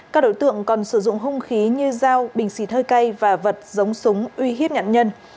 các đối tượng còn sử dụng hung khí như dao bình xịt hơi cay và vật giống súng uy hiếp nạn nhân